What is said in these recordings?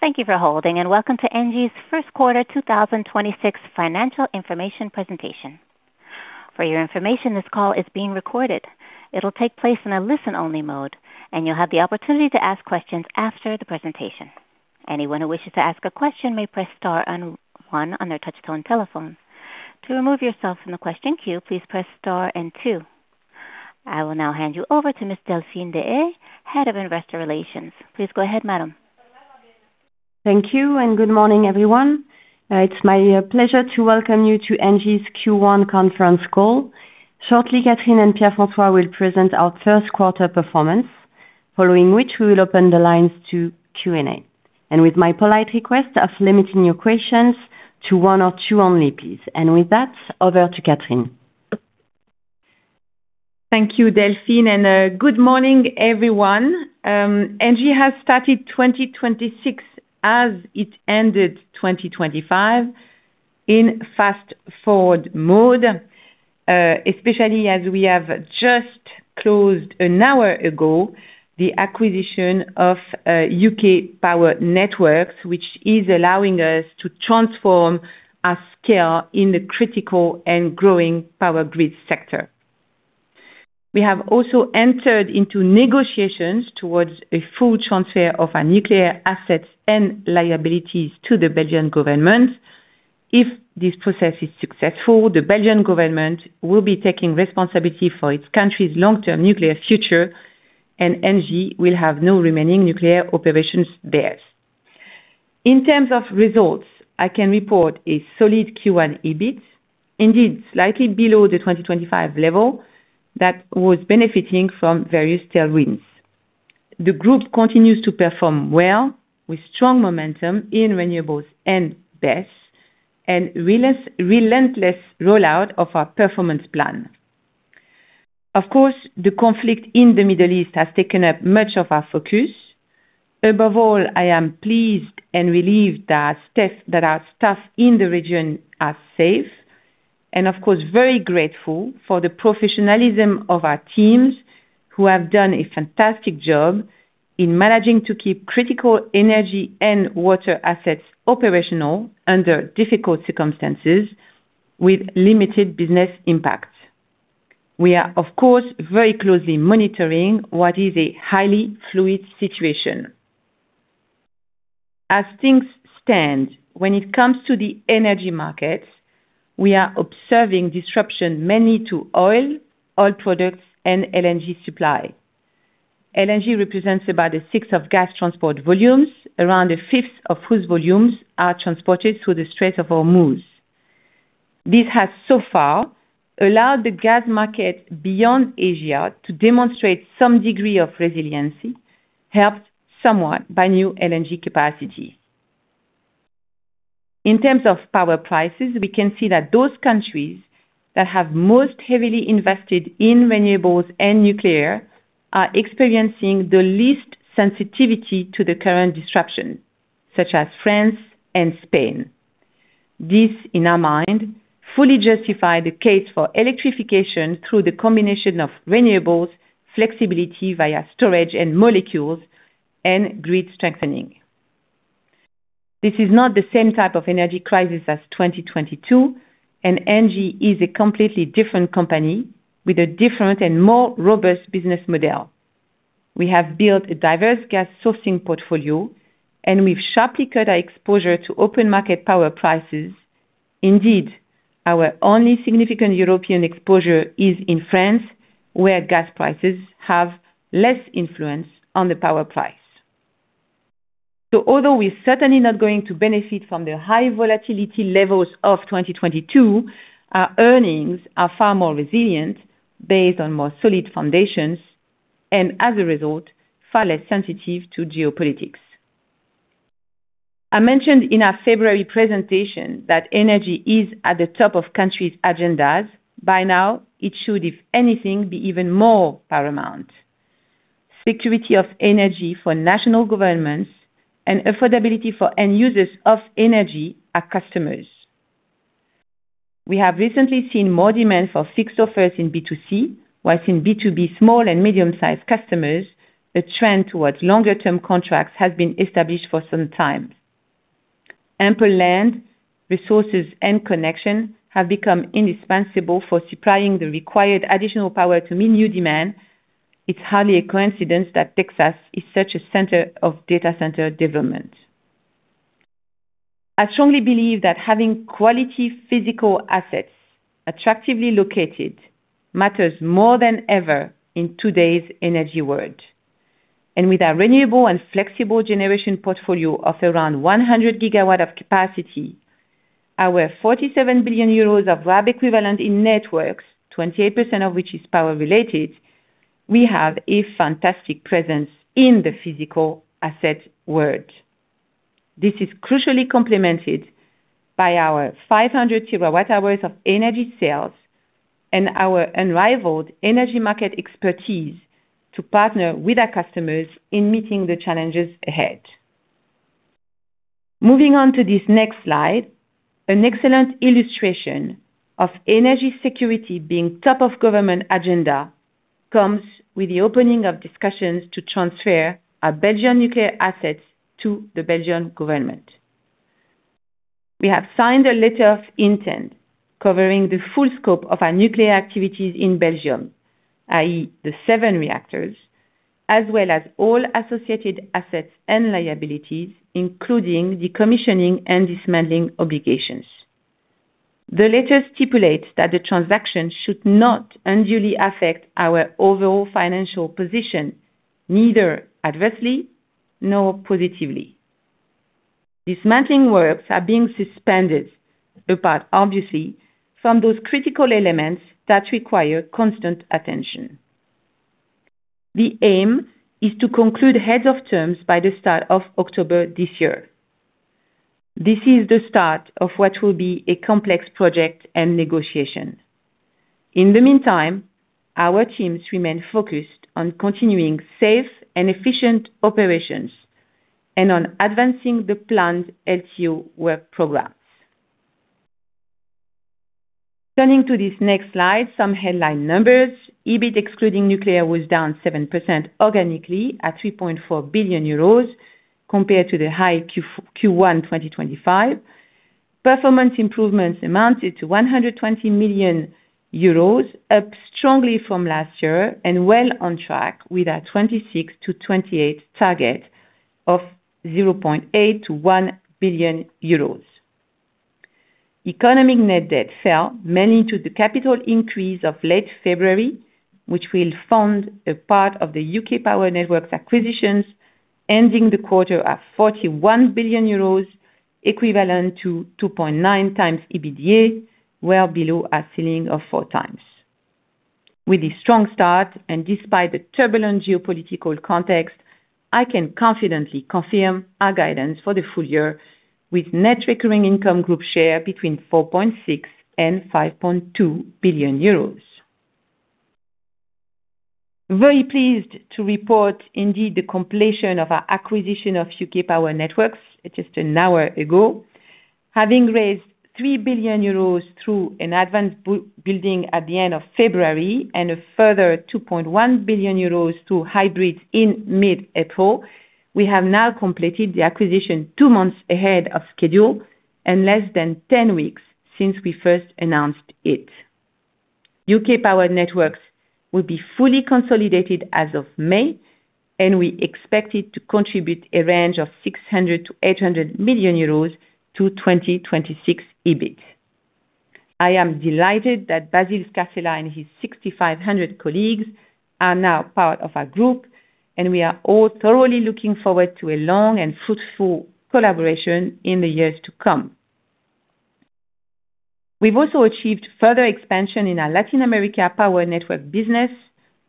Thank you for holding, welcome to ENGIE's first quarter 2026 financial information presentation. For your information, this call is being recorded. It'll take place in a listen-only mode, you'll have the opportunity to ask questions after the presentation. Anyone who wishes to ask a question may press star and one on their touch-tone telephone. To remove yourself from the question queue, please press star and two. I will now hand you over to Miss Delphine Deshayes, Head of Investor Relations. Please go ahead, madam. Thank you. Good morning, everyone. It's my pleasure to welcome you to ENGIE's Q1 conference call. Shortly, Catherine and Pierre-François will present our first quarter performance, following which we will open the lines to Q&A. With my polite request of limiting your questions to one or two only, please. With that, over to Catherine. Thank you, Delphine, and good morning, everyone. ENGIE has started 2026 as it ended 2025, in fast-forward mode, especially as we have just closed an hour ago the acquisition of UK Power Networks, which is allowing us to transform our scale in the critical and growing power grid sector. We have also entered into negotiations towards a full transfer of our nuclear assets and liabilities to the Belgian government. If this process is successful, the Belgian government will be taking responsibility for its country's long-term nuclear future, and ENGIE will have no remaining nuclear operations there. In terms of results, I can report a solid Q1 EBIT. Indeed, slightly below the 2025 level that was benefiting from various tailwinds. The group continues to perform well with strong momentum in renewables and BESS, and relentless rollout of our performance plan. Of course, the conflict in the Middle East has taken up much of our focus. Above all, I am pleased and relieved that our staff in the region are safe, and of course, very grateful for the professionalism of our teams, who have done a fantastic job in managing to keep critical energy and water assets operational under difficult circumstances with limited business impact. We are, of course, very closely monitoring what is a highly fluid situation. As things stand when it comes to the energy markets, we are observing disruption mainly to oil products, and LNG supply. LNG represents about a 1/6 of gas transport volumes. Around a 1/5 of whose volumes are transported through the Strait of Hormuz. This has so far allowed the gas market beyond Asia to demonstrate some degree of resiliency, helped somewhat by new LNG capacity. In terms of power prices, we can see that those countries that have most heavily invested in renewables and nuclear are experiencing the least sensitivity to the current disruption, such as France and Spain. This, in our mind, fully justify the case for electrification through the combination of renewables, flexibility via storage and molecules, and grid strengthening. This is not the same type of energy crisis as 2022, and ENGIE is a completely different company with a different and more robust business model. We have built a diverse gas sourcing portfolio, and we've sharply cut our exposure to open market power prices. Indeed, our only significant European exposure is in France, where gas prices have less influence on the power price. Although we're certainly not going to benefit from the high volatility levels of 2022, our earnings are far more resilient based on more solid foundations, and as a result, far less sensitive to geopolitics. I mentioned in our February presentation that energy is at the top of countries' agendas. By now, it should, if anything, be even more paramount. Security of energy for national governments and affordability for end users of energy are customers. We have recently seen more demand for fixed offers in B2C, whilst in B2B small and medium-sized customers, a trend towards longer-term contracts has been established for some time. Ample land, resources, and connection have become indispensable for supplying the required additional power to meet new demand. It's hardly a coincidence that Texas is such a center of data center development. I strongly believe that having quality physical assets attractively located matters more than ever in today's energy world. With our renewable and flexible generation portfolio of around 100 GW of capacity, our 47 billion euros of RAB equivalent in networks, 28% of which is power-related, we have a fantastic presence in the physical asset world. This is crucially complemented by our 500 TWh of energy sales and our unrivaled energy market expertise to partner with our customers in meeting the challenges ahead. Moving on to this next slide, an excellent illustration of energy security being top of government agenda. Comes with the opening of discussions to transfer our Belgian nuclear assets to the Belgian government. We have signed a letter of intent covering the full scope of our nuclear activities in Belgium, i.e., the seven reactors, as well as all associated assets and liabilities, including decommissioning and dismantling obligations. The letter stipulates that the transaction should not unduly affect our overall financial position, neither adversely nor positively. Dismantling works are being suspended apart, obviously, from those critical elements that require constant attention. The aim is to conclude heads of terms by the start of October this year. This is the start of what will be a complex project and negotiation. In the meantime, our teams remain focused on continuing safe and efficient operations and on advancing the planned LCO work programs. Turning to this next slide, some headline numbers. EBIT excluding nuclear was down 7% organically at 3.4 billion euros compared to the high Q1 2025. Performance improvements amounted to 120 million euros, up strongly from last year and well on track with our 2026-2028 target of 0.8 billion-1 billion euros. Economic net debt fell mainly to the capital increase of late February, which will fund a part of the UK Power Networks acquisitions, ending the quarter at 41 billion euros, equivalent to 2.9x EBITDA, well below our ceiling of 4x. With a strong start and despite the turbulent geopolitical context, I can confidently confirm our guidance for the full year with net recurring income group share between 4.6 billion and 5.2 billion euros. Very pleased to report indeed the completion of our acquisition of UK Power Networks just an hour ago. Having raised 3 billion euros through an advanced building at the end of February and a further 2.1 billion euros to hybrids in mid-April, we have now completed the acquisition two months ahead of schedule and less than 10 weeks since we first announced it. UK Power Networks will be fully consolidated as of May, and we expect it to contribute a range of 600 million-800 million euros to 2026 EBIT. I am delighted that Basil Scarsella and his 6,500 colleagues are now part of our group, and we are all thoroughly looking forward to a long and fruitful collaboration in the years to come. We've also achieved further expansion in our Latin America Power network business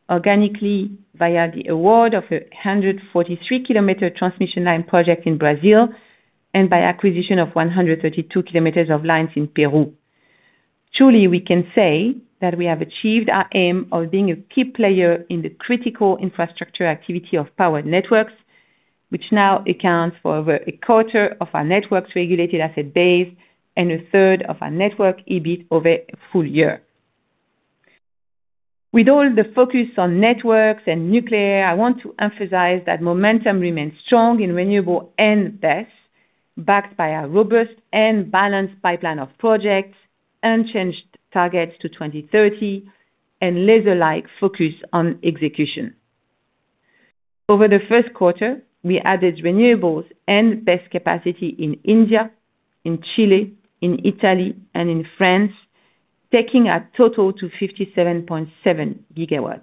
organically via the award of a 143 km transmission line project in Brazil and by acquisition of 132 km of lines in Peru. Truly, we can say that we have achieved our aim of being a key player in the critical infrastructure activity of power networks, which now accounts for over a quarter of our networks regulated asset BESS and a 1/3 of our network EBIT over a full year. With all the focus on networks and nuclear, I want to emphasize that momentum remains strong in renewable and BESS, backed by a robust and balanced pipeline of projects, unchanged targets to 2030, and laser-like focus on execution. Over the first quarter, we added renewables and BESS capacity in India, in Chile, in Italy, and in France, taking our total to 57.7 GW.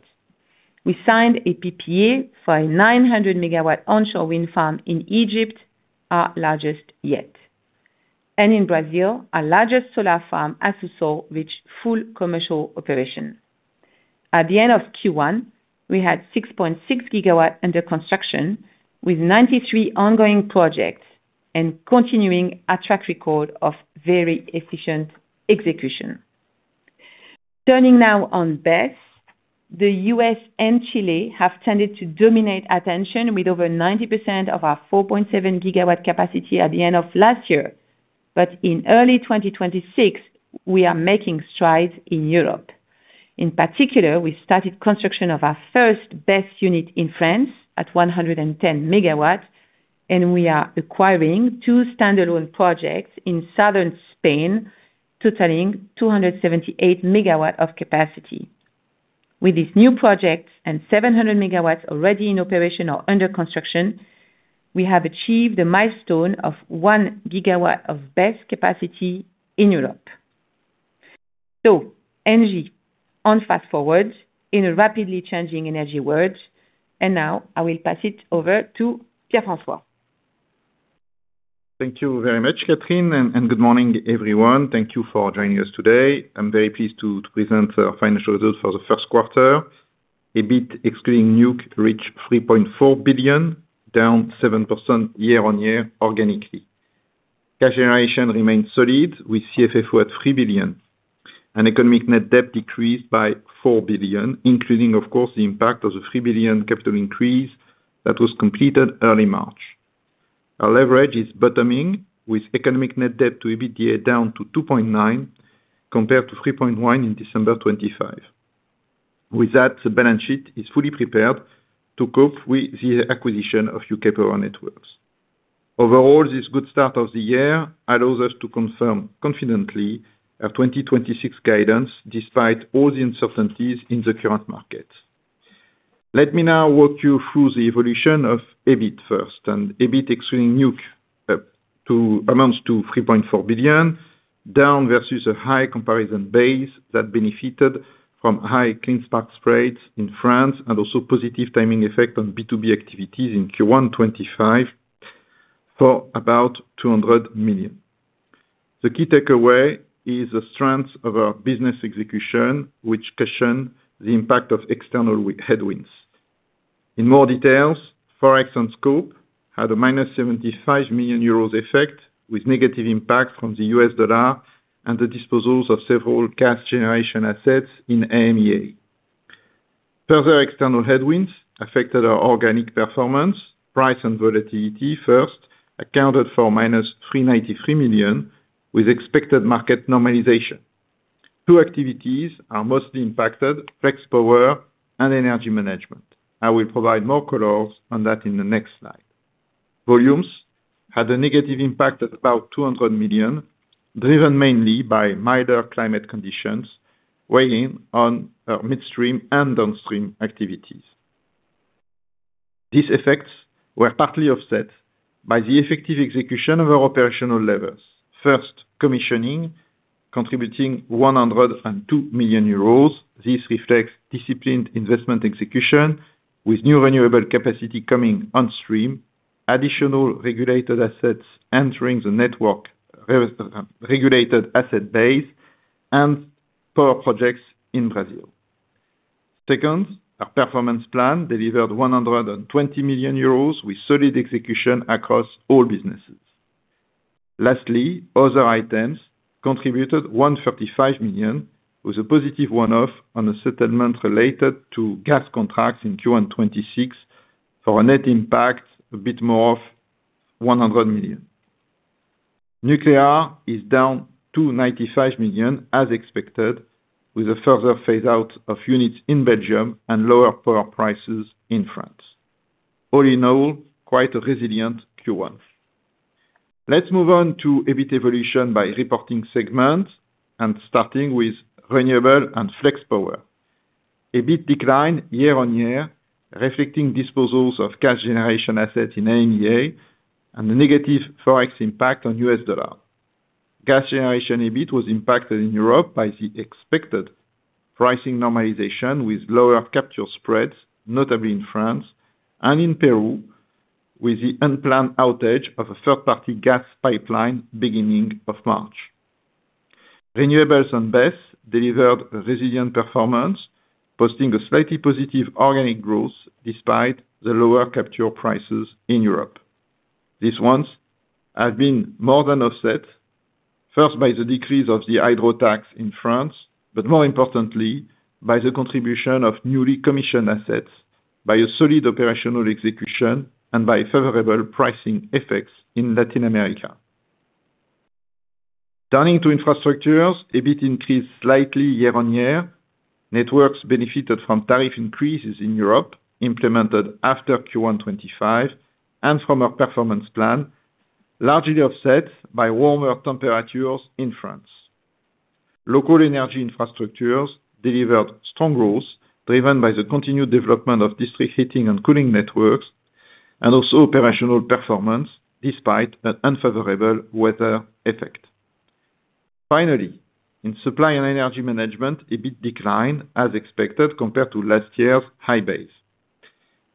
We signed a PPA for a 900 MW onshore wind farm in Egypt, our largest yet. In Brazil, our largest solar farm, Assú Sol, reached full commercial operation. At the end of Q1, we had 6.6 GW under construction with 93 ongoing projects and continuing our track record of very efficient execution. Turning now on BESS. The U.S. and Chile have tended to dominate attention with over 90% of our 4.7 GW capacity at the end of last year. In early 2026, we are making strides in Europe. In particular, we started construction of our first BESS unit in France at 110 MW, we are acquiring standalone projects in southern Spain, totaling 278 MW of capacity. With these new projects and 700 MW already in operation or under construction, we have achieved a milestone of 1 GW of BESS capacity in Europe. ENGIE on fast-forward in a rapidly changing energy world. Now I will pass it over to Pierre-François. Thank you very much, Catherine, and good morning, everyone. Thank you for joining us today. I'm very pleased to present our financial results for the first quarter. EBIT excluding nuc reached 3.4 billion, down 7% year-on-year organically. Cash generation remains solid, with CFFO at 3 billion. Economic net debt decreased by 4 billion, including of course, the impact of the 3 billion capital increase that was completed early March. Our leverage is bottoming with economic net debt to EBITDA down to 2.9x, compared to 3.1x in December 2025. With that, the balance sheet is fully prepared to cope with the acquisition of UK Power Networks. Overall, this good start of the year allows us to confirm confidently our 2026 guidance despite all the uncertainties in the current market. Let me now walk you through the evolution of EBIT first. EBIT excluding nuc to amounts to 3.4 billion, down versus a high comparison base that benefited from high clean spark spreads in France and also positive timing effect on B2B activities in Q1 2025 for about 200 million. The key takeaway is the strength of our business execution, which cushion the impact of external headwinds. In more details, Forex on scope had a -75 million euros effect, with negative impact from the U.S. dollar and the disposals of several gas generation assets in EMEA. Further external headwinds affected our organic performance. Price and volatility first accounted for -393 million, with expected market normalization. Two activities are mostly impacted, Flex Power and Energy Management. I will provide more colors on that in the next slide. Volumes had a negative impact at about 200 million, driven mainly by milder climate conditions weighing on midstream and downstream activities. These effects were partly offset by the effective execution of our operational levers. First, commissioning, contributing 102 million euros. This reflects disciplined investment execution, with new renewable capacity coming on stream, additional regulated assets entering the network re-regulated asset base, and power projects in Brazil. Second, our performance plan delivered 120 million euros with solid execution across all businesses. Lastly, other items contributed 155 million, with a positive one-off on a settlement related to gas contracts in Q1 2026 for a net impact a bit more of 100 million. Nuclear is down 295 million as expected, with a further phaseout of units in Belgium and lower power prices in France. All in all, quite a resilient Q1. Let's move on to EBIT evolution by reporting segment and starting with Renewable and Flex Power. EBIT declined year-on-year, reflecting disposals of gas generation assets in EMEA and the negative forex impact on U.S. dollar. Gas generation EBIT was impacted in Europe by the expected pricing normalization with lower capture spreads, notably in France and in Peru, with the unplanned outage of a third-party gas pipeline beginning of March. Renewables and BESS delivered a resilient performance, posting a slightly positive organic growth despite the lower capture prices in Europe. These ones have been more than offset, first by the decrease of the hydro tax in France, but more importantly, by the contribution of newly commissioned assets, by a solid operational execution, and by favorable pricing effects in Latin America. Turning to Infrastructures, EBIT increased slightly year-on-year. Networks benefited from tariff increases in Europe implemented after Q1 2025 and from a performance plan largely offset by warmer temperatures in France. Local energy infrastructures delivered strong growth, driven by the continued development of district heating and cooling networks, and also operational performance despite an unfavorable weather effect. Finally, in supply and energy management, EBIT declined as expected compared to last year's high base.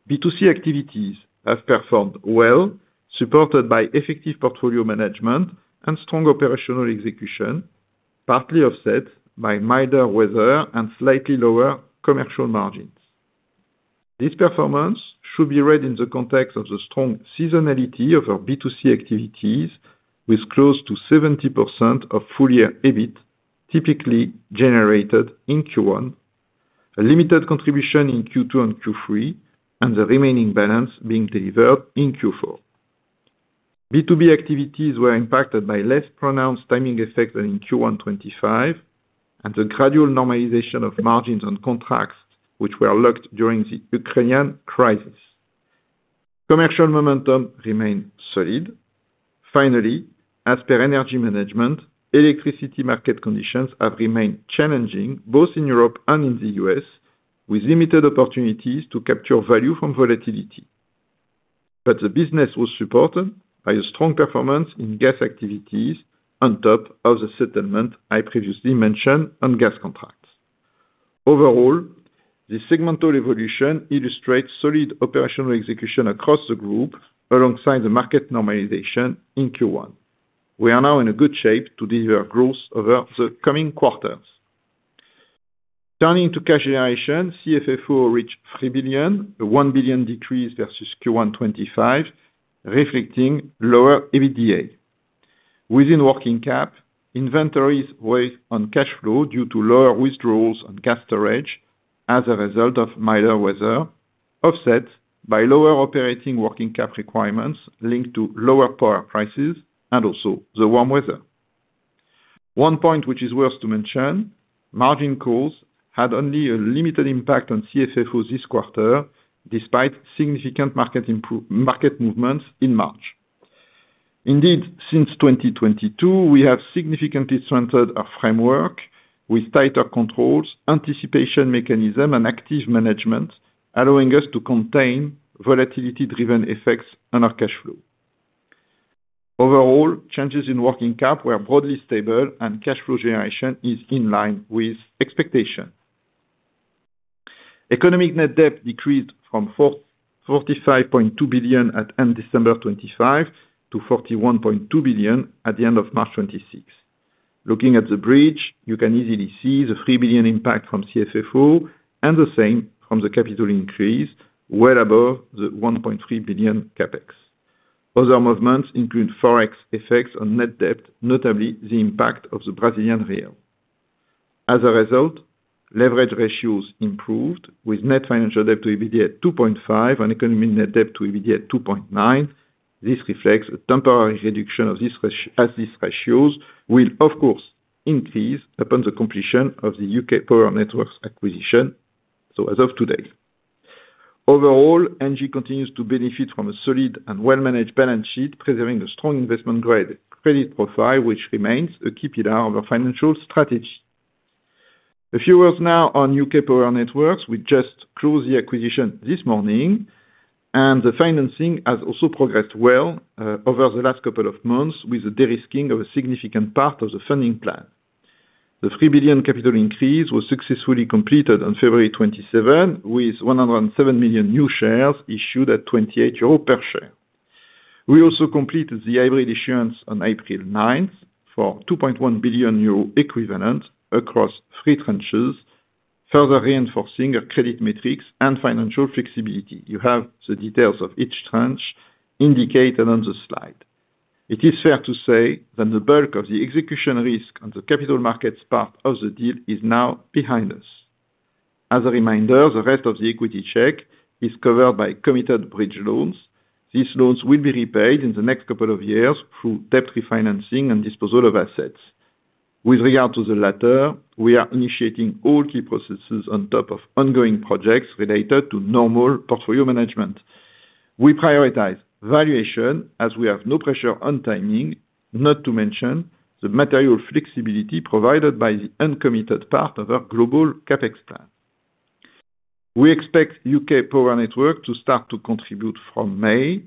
B2C activities have performed well, supported by effective portfolio management and strong operational execution, partly offset by milder weather and slightly lower commercial margins. This performance should be read in the context of the strong seasonality of our B2C activities, with close to 70% of full-year EBIT typically generated in Q1, a limited contribution in Q2 and Q3, and the remaining balance being delivered in Q4. B2B activities were impacted by less pronounced timing effect than in Q1 2025 and the gradual normalization of margins on contracts which were locked during the Ukrainian crisis. Commercial momentum remained solid. As per energy management, electricity market conditions have remained challenging both in Europe and in the U.S., with limited opportunities to capture value from volatility. The business was supported by a strong performance in gas activities on top of the settlement I previously mentioned on gas contracts. The segmental evolution illustrates solid operational execution across the group alongside the market normalization in Q1. We are now in a good shape to deliver growth over the coming quarters. Turning to cash generation, CFFO reached 3 billion, a 1 billion decrease versus Q1 2025, reflecting lower EBITDA. Within working cap, inventories weigh on cash flow due to lower withdrawals and gas storage as a result of milder weather, offset by lower operating working cap requirements linked to lower power prices and also the warm weather. One point which is worth to mention, margin calls had only a limited impact on CFFO this quarter, despite significant market movements in March. Since 2022, we have significantly strengthened our framework with tighter controls, anticipation mechanism and active management, allowing us to contain volatility driven effects on our cash flow. Changes in working cap were broadly stable and cash flow generation is in line with expectation. Economic net debt decreased from 45.2 billion at end December 2025 to 41.2 billion at the end of March 2026. Looking at the bridge, you can easily see the 3 billion impact from CFFO and the same from the capital increase, well above the 1.3 billion CapEx. Other movements include forex effects on net debt, notably the impact of the Brazilian real. As a result, leverage ratios improved with net financial debt to EBITDA at 2.5x and economic net debt to EBITDA at 2.9x. This reflects a temporary reduction of this as these ratios will of course increase upon the completion of the UK Power Networks acquisition, so as of today. Overall, ENGIE continues to benefit from a solid and well-managed balance sheet, preserving a strong investment grade credit profile, which remains a key pillar of our financial strategy. A few words now on UK Power Networks. We just closed the acquisition this morning, and the financing has also progressed well over the last couple of months with the de-risking of a significant part of the funding plan. The 3 billion capital increase was successfully completed on February 27, with 107 million new shares issued at 28 euro per share. We also completed the hybrid issuance on April 9 for 2.1 billion euro equivalent across three tranches, further reinforcing our credit metrics and financial flexibility. You have the details of each tranche indicated on the slide. It is fair to say that the bulk of the execution risk on the capital markets part of the deal is now behind us. As a reminder, the rest of the equity check is covered by committed bridge loans. These loans will be repaid in the next couple of years through debt refinancing and disposal of assets. With regard to the latter, we are initiating all key processes on top of ongoing projects related to normal portfolio management. We prioritize valuation as we have no pressure on timing, not to mention the material flexibility provided by the uncommitted part of our global CapEx plan. We expect UK Power Networks to start to contribute from May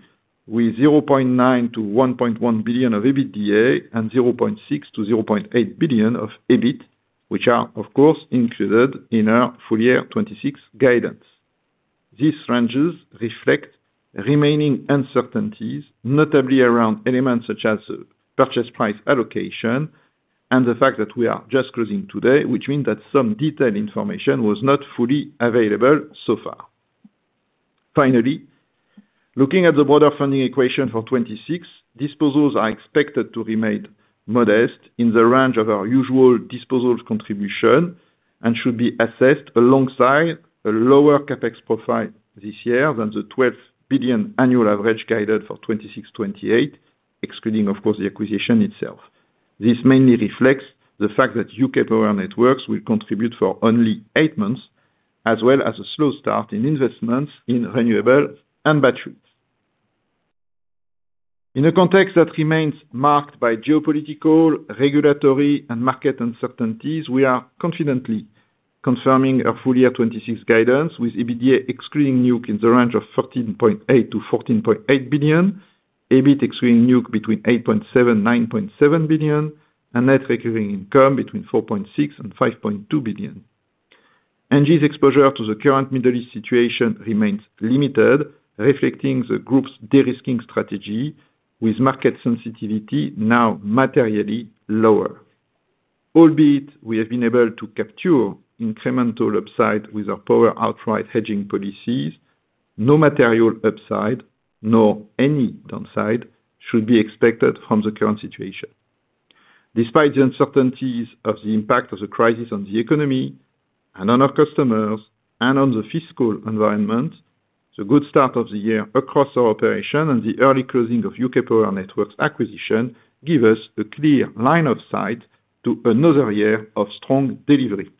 with 0.9 billion-1.1 billion of EBITDA and 0.6 billion-0.8 billion of EBIT, which are of course included in our full year 2026 guidance. These ranges reflect remaining uncertainties, notably around elements such as purchase price allocation and the fact that we are just closing today, which means that some detailed information was not fully available so far. Looking at the broader funding equation for 2026, disposals are expected to remain modest in the range of our usual disposals contribution and should be assessed alongside a lower CapEx profile this year than the 12 billion annual average guided for 2026/2028, excluding of course the acquisition itself. This mainly reflects the fact that UK Power Networks will contribute for only eight months, as well as a slow start in investments in renewables and batteries. In a context that remains marked by geopolitical, regulatory and market uncertainties, we are confidently confirming our full year 2026 guidance, with EBITDA excluding nuke in the range of 14.8 billion-14.8 billion, EBIT excluding nuke between 8.7 billion-9.7 billion and net recurring income between 4.6 billion and 5.2 billion. ENGIE's exposure to the current Middle East situation remains limited, reflecting the group's de-risking strategy with market sensitivity now materially lower. Albeit we have been able to capture incremental upside with our power outright hedging policies, no material upside, nor any downside should be expected from the current situation. Despite the uncertainties of the impact of the crisis on the economy and on our customers and on the fiscal environment, the good start of the year across our operation and the early closing of UK Power Networks acquisition give us a clear line of sight to another year of strong delivery.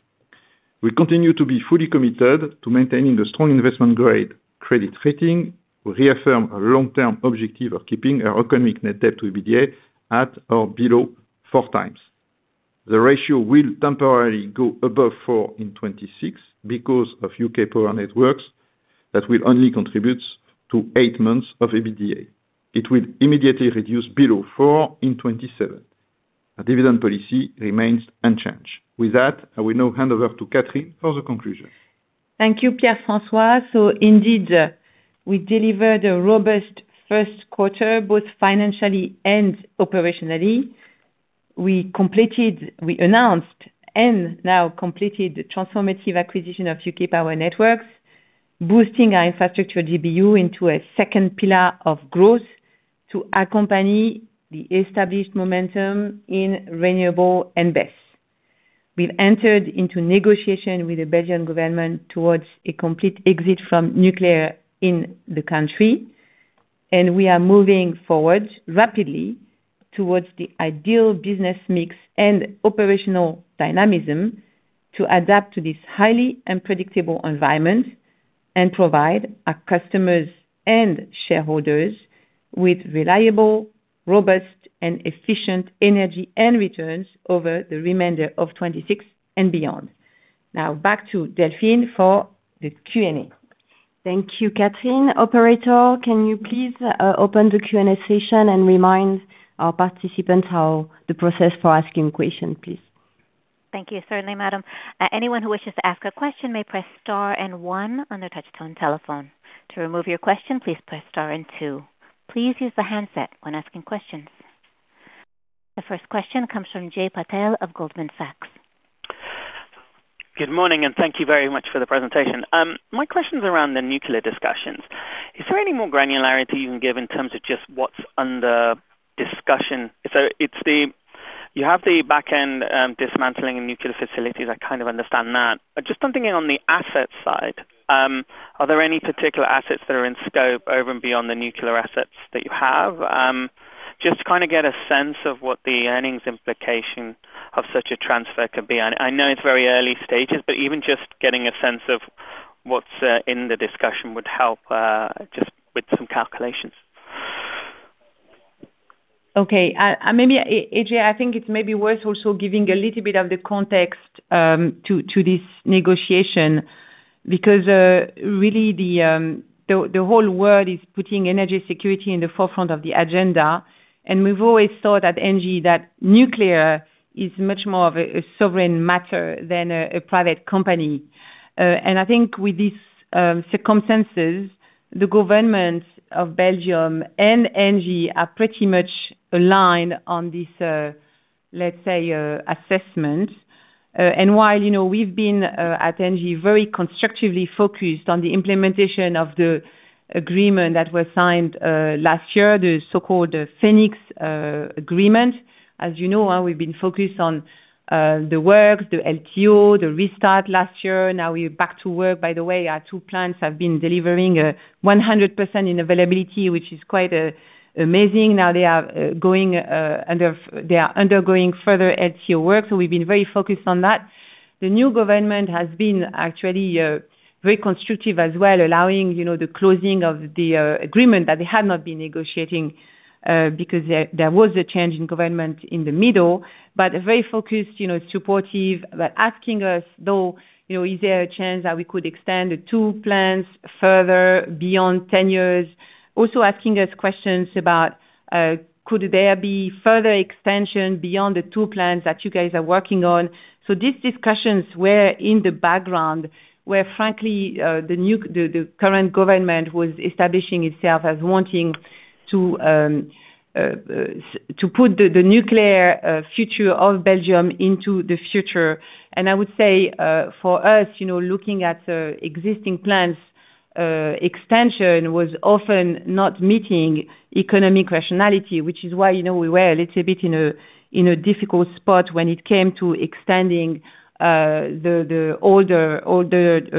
We continue to be fully committed to maintaining a strong investment-grade credit rating. We reaffirm our long-term objective of keeping our economic net debt to EBITDA at or below 4x. The ratio will temporarily go above four in 2026 because of UK Power Networks that will only contribute to eight months of EBITDA. It will immediately reduce below four in 2027. Our dividend policy remains unchanged. With that, I will now hand over to Catherine for the conclusion. Thank you, Pierre-François. Indeed, we delivered a robust first quarter, both financially and operationally. We announced and now completed the transformative acquisition of UK Power Networks, boosting our infrastructure GBU into a second pillar of growth to accompany the established momentum in renewable and base. We've entered into negotiation with the Belgian government towards a complete exit from nuclear in the country, and we are moving forward rapidly towards the ideal business mix and operational dynamism to adapt to this highly unpredictable environment and provide our customers and shareholders with reliable, robust and efficient energy and returns over the remainder of 2026 and beyond. Now back to Delphine for the Q&A. Thank you, Catherine. Operator, can you please open the Q&A session and remind our participants how the process for asking questions, please? Thank you. Certainly, madam. Anyone who wishes to ask a question may press star and one on their touch tone telephone. To remove your question, please press star and two. Please use the handset when asking questions. The first question comes from Ajay Patel of Goldman Sachs. Good morning, and thank you very much for the presentation. My question is around the nuclear discussions. Is there any more granularity you can give in terms of just what's under discussion? You have the back end, dismantling and nuclear facilities. I kind of understand that. Just something on the asset side, are there any particular assets that are in scope over and beyond the nuclear assets that you have? Just to kind of get a sense of what the earnings implication of such a transfer could be. I know it's very early stages, but even just getting a sense of what's in the discussion would help just with some calculations. Okay. Maybe, Jay, I think it's maybe worth also giving a little bit of the context to this negotiation because really the whole world is putting energy security in the forefront of the agenda. We've always thought at ENGIE that nuclear is much more of a sovereign matter than a private company. I think with this circumstances, the government of Belgium and ENGIE are pretty much aligned on this, let's say, assessment. While, you know, we've been at ENGIE, very constructively focused on the implementation of the agreement that was signed last year, the so-called Fenix agreement. As you know, we've been focused on the work, the LTO, the restart last year. Now we're back to work. By the way, our two plants have been delivering 100% in availability, which is quite amazing. Now they are undergoing further LTO work, so we've been very focused on that. The new government has been actually very constructive as well, allowing, you know, the closing of the agreement that they had not been negotiating because there was a change in government in the middle. Very focused, you know, supportive, asking us, though, you know, is there a chance that we could extend the two plants further beyond 10 years? Also asking us questions about, could there be further extension beyond the two plants that you guys are working on? These discussions were in the background, where, frankly, the current government was establishing itself as wanting to put the nuclear future of Belgium into the future. I would say, for us, you know, looking at the existing plants, extension was often not meeting economic rationality, which is why, you know, we were a little bit in a difficult spot when it came to extending the older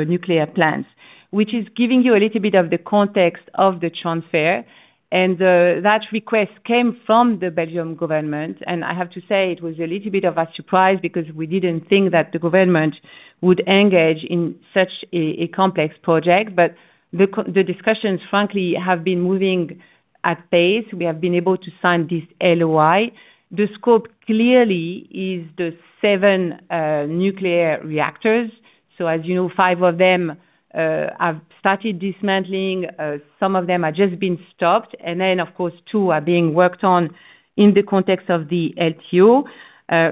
nuclear plants. Which is giving you a little bit of the context of the transfer. That request came from the Belgium government. I have to say it was a little bit of a surprise because we didn't think that the government would engage in such a complex project. The discussions, frankly, have been moving at pace. We have been able to sign this LOI. The scope clearly is the seven nuclear reactors. As you know, five of them have started dismantling, some of them have just been stopped, and then, of course, two are being worked on in the context of the LTO.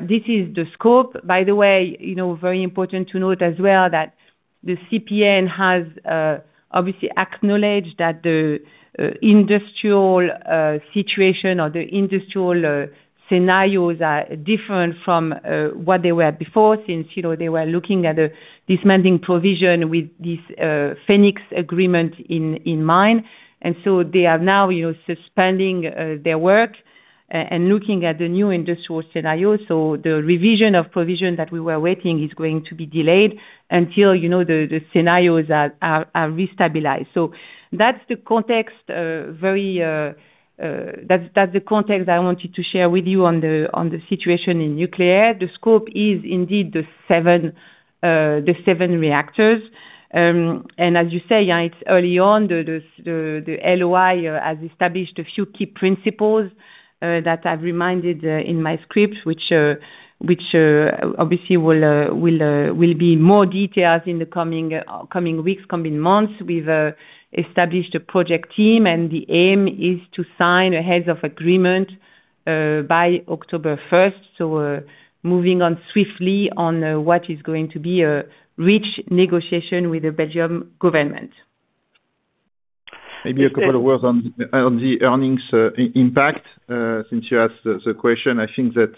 This is the scope. By the way, you know, very important to note as well that the CPN has obviously acknowledged that the industrial situation or the industrial scenarios are different from what they were before since, you know, they were looking at a dismantling provision with this Fenix agreement in mind. They are now, you know, suspending their work and looking at the new industrial scenario. The revision of provision that we were waiting is going to be delayed until, you know, the scenarios are restabilized. That's the context I wanted to share with you on the situation in nuclear. The scope is indeed the seven reactors. As you say, yeah, it's early on. The LOI has established a few key principles that I've reminded in my script, which obviously will be more details in the coming weeks, coming months. We've established a project team, and the aim is to sign a heads of agreement by October first. We're moving on swiftly on what is going to be a rich negotiation with the Belgium government. Maybe a couple of words on the earnings impact since you asked the question. I think that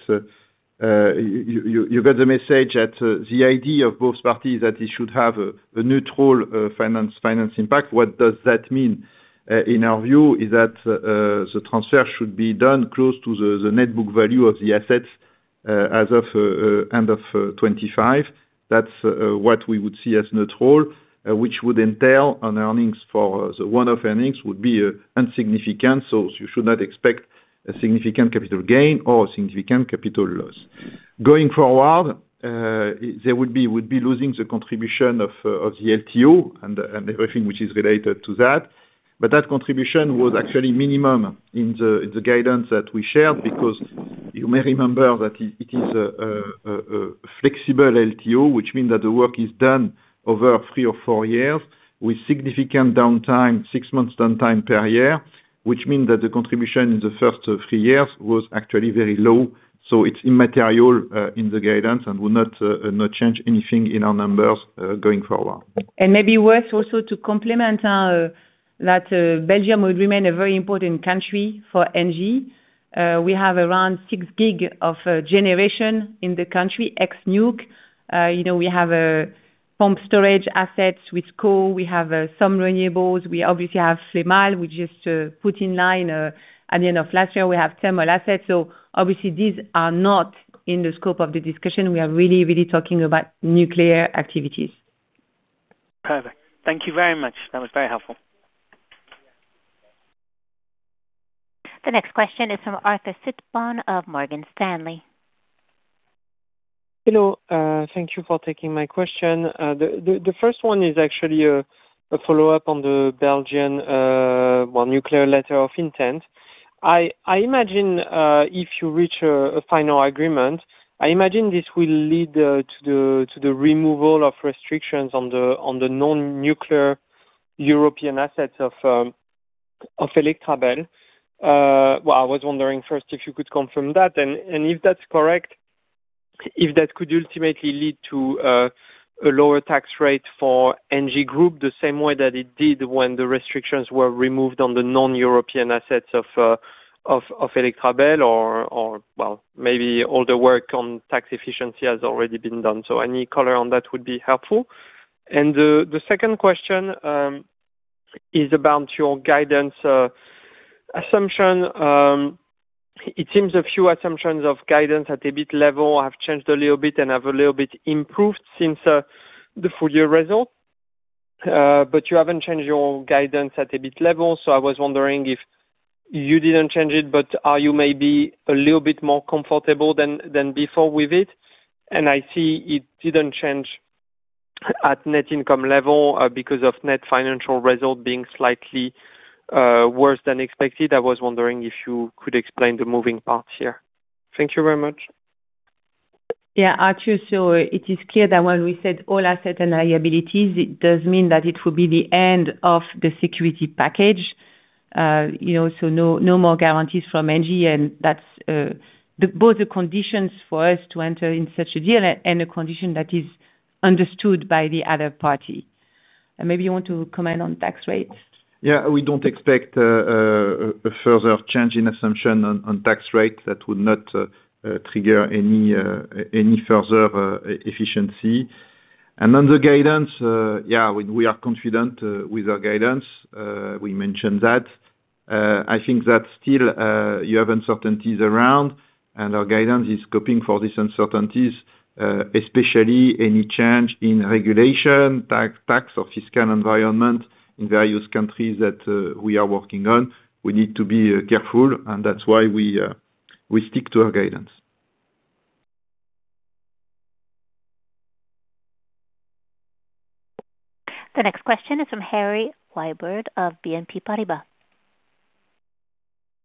you got the message that the idea of both parties that it should have a neutral finance impact. What does that mean? In our view is that the transfer should be done close to the net book value of the assets as of end of 2025. That's what we would see as neutral, which would entail on earnings for The one-off earnings would be insignificant, so you should not expect a significant capital gain or a significant capital loss. Going forward, we'd be losing the contribution of the LTO and everything which is related to that. That contribution was actually minimum in the guidance that we shared, because you may remember that it is a flexible LTO, which means that the work is done over three or four years with significant downtime, six months downtime per year, which means that the contribution in the first three years was actually very low. It's immaterial in the guidance and will not change anything in our numbers going forward. Maybe worth also to complement that Belgium will remain a very important country for ENGIE. We have around 6 GW of generation in the country, ex nuc. you know, we have pump storage assets with Coo. We have some renewables. We obviously have Flémalle, which is to put in line at the end of last year. We have thermal assets. Obviously these are not in the scope of the discussion. We are really talking about nuclear activities. Perfect. Thank you very much. That was very helpful. The next question is from Arthur Sitbon of Morgan Stanley. Hello. Thank you for taking my question. The first one is actually a follow-up on the Belgian, well, nuclear letter of intent. I imagine if you reach a final agreement, I imagine this will lead to the removal of restrictions on the non-nuclear European assets of Electrabel. Well, I was wondering first if you could confirm that. If that's correct, if that could ultimately lead to a lower tax rate for ENGIE group, the same way that it did when the restrictions were removed on the non-European assets of Electrabel or, well, maybe all the work on tax efficiency has already been done. Any color on that would be helpful. The second question is about your guidance assumption. It seems a few assumptions of guidance at EBIT level have changed a little bit and have a little bit improved since the full year results. You haven't changed your guidance at EBIT level, so I was wondering if you didn't change it, but are you maybe a little bit more comfortable than before with it? I see it didn't change at net income level because of net financial result being slightly worse than expected. I was wondering if you could explain the moving parts here. Thank you very much. Yeah, Arthur. It is clear that when we said all asset and liabilities, it does mean that it will be the end of the security package. You know, no more guarantees from ENGIE, and that's the both the conditions for us to enter in such a deal and a condition that is understood by the other party. Maybe you want to comment on tax rates. Yeah. We don't expect a further change in assumption on tax rate. That would not trigger any further efficiency. On the guidance, yeah, we are confident with our guidance. We mentioned that. I think that still you have uncertainties around, and our guidance is scoping for these uncertainties, especially any change in regulation, tax or fiscal environment in various countries that we are working on. We need to be careful, and that's why we stick to our guidance. The next question is from Harry Wyburd of BNP Paribas.